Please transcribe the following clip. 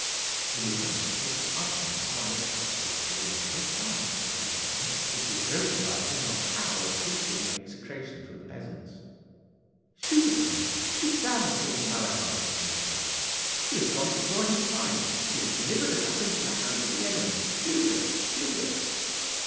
The movement was so sudden and so unexpected that there was a dead silence for a few seconds, which was broken by a general howl of hatred and execration from the peasants. 'Shoot upon him! Shoot down the false Amalekite!' they shrieked. 'He hath gone to join his kind! He hath delivered us up into the hands of the enemy! Judas! Judas!